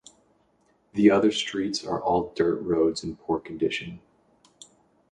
The other streets are all dirt roads in poor condition.